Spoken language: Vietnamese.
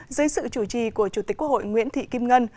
dưới sự chủ trì của chủ tịch quốc hội nguyễn thị kim ngân